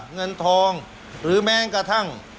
เงินทองหรือแม้กระทั่ง